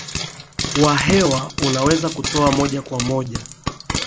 wa hewa unaweza kutoka moja kwa moja